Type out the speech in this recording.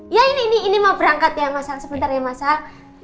iya ini mau berangkat ya mas al sebentar ya mas al